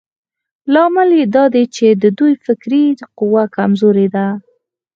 لامل يې دا دی چې د دوی فکري قوه کمزورې ده.